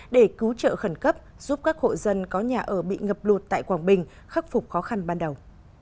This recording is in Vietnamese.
để cứu trợ khẩn cấp giúp các hộ dân có nhà ở bị ngập lụt tại quảng bình khắc phục khó khăn ban đầu